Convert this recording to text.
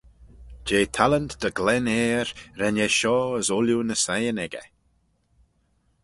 Jeh talent dy glen airh ren eh shoh as ooilley ny siyn echey.